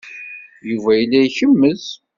Yuba yella ikemmez.